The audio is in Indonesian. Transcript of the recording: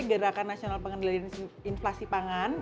gerakan nasional pengendalian inflasi pangan